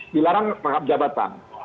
dilarang rangkap jabatan